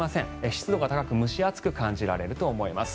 湿度が高く蒸し暑く感じられると思います。